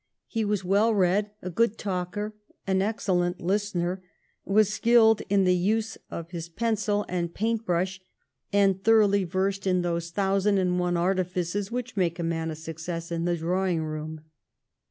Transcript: He was well read, a gootl talker, an excellent listener, was skilled in the use of his pencil and paint brush, and thoroughly versed in those thousand and one artifices which make a man a success in the drawing room.